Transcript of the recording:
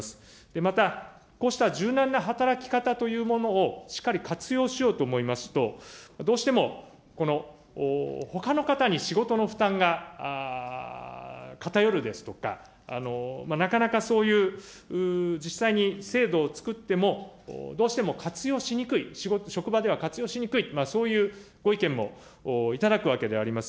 また、こうした柔軟な働き方というものをしっかり活用しようと思いますと、どうしてもほかの方に仕事の負担が偏るですとか、なかなかそういう、実際に制度を作っても、どうしても活用しにくい、職場では活用しにくい、そういうご意見も頂くわけであります。